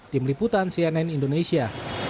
tim liputan cnn indonesia